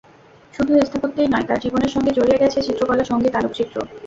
শুধু স্থাপত্যই নয়, তাঁর জীবনের সঙ্গে জড়িয়ে গেছে চিত্রকলা, সংগীত, আলোকচিত্র।